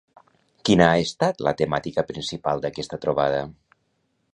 Quina ha estat la temàtica principal d'aquesta trobada?